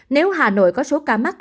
nếu hà nội có số ca mắc